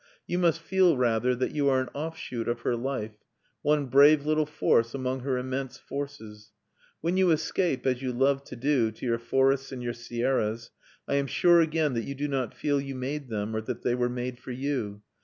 You must feel, rather, that you are an offshoot of her life; one brave little force among her immense forces. When you escape, as you love to do, to your forests and your sierras, I am sure again that you do not feel you made them, or that they were made for you.